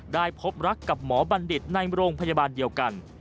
พบรักกับหมอบัณฑิตในโรงพยาบาลเดียวกัน